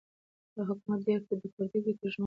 دا حکومتونه د پردیو ګټو ته ژمن وو.